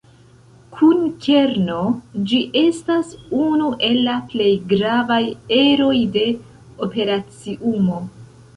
Kun kerno, ĝi estas unu el la plej gravaj eroj de operaciumo.